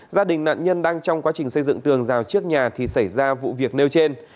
gia đình nạn nhân đang trong quá trình xây dựng tường rào trước nhà thì xảy ra vụ việc nêu trên